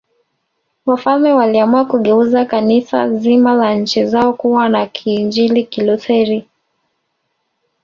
Wafalme waliamua kugeuza Kanisa zima la nchi zao kuwa la Kiinjili Kilutheri